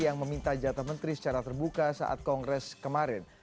yang meminta jatah menteri secara terbuka saat kongres kemarin